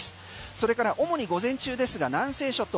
それから主に午前中ですが南西諸島